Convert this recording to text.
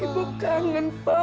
ibu kangen pak